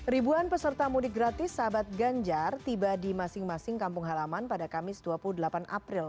ribuan peserta mudik gratis sahabat ganjar tiba di masing masing kampung halaman pada kamis dua puluh delapan april